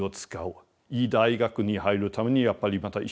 いい大学に入るためにやっぱりまた一生懸命勉強する。